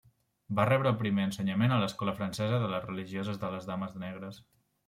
Va rebre el primer ensenyament a l'escola francesa de les religioses de les Dames Negres.